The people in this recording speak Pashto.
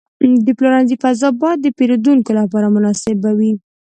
د پلورنځي فضا باید د پیرودونکو لپاره مناسب وي.